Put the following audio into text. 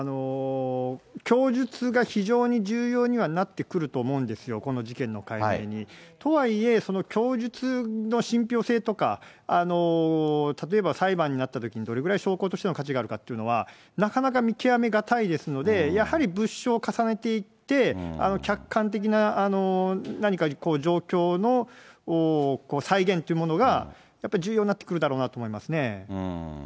供述が非常に重要にはなってくると思うんですよ、この事件の解明に。とはいえ、その供述の信ぴょう性とか、例えば裁判になったときにどれぐらい証拠としての価値があるかっていうのは、なかなか見極め難いですので、やはり物証を重ねていって、客観的な何かこう、状況の再現というものが、やっぱり重要になってくるだろうなと思いますね。